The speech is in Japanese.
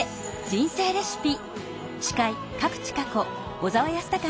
人生レシピ」。